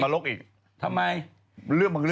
มันเรื่องบางเรื่องดี